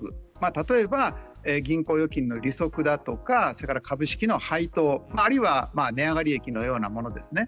例えば、銀行預金の利息だとか株式の配当あるいは値上がり益のようなものですね。